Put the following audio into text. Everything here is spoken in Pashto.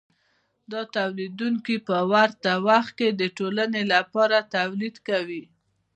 دا تولیدونکي په ورته وخت کې د ټولنې لپاره تولید کوي